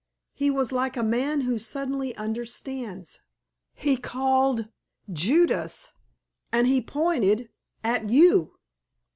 He was like a man who suddenly understands. He called 'Judas,' and he pointed at you."